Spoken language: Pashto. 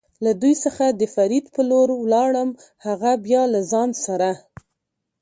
له دوی څخه د فرید په لور ولاړم، هغه بیا له ځان سره.